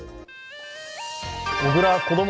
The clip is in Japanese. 小倉こども